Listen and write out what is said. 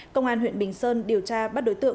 công an huyện bình sơn điều tra bắt đối tượng